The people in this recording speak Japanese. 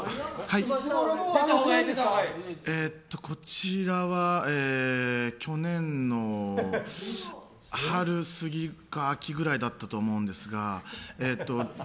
こちらは去年の春過ぎか秋ぐらいだったと思うんですが。